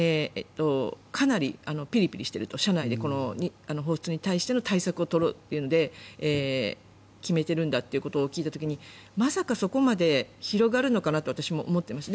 かなりピリピリしてると社内でこの放出に対しての対策を取るというので決めているんだということを聞いた時にまさかそこまで広がるのかなと私も思っていました。